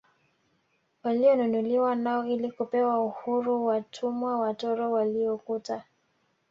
Walionunuliwa nao ili kupewa uhuru watumwa watoro waliokuta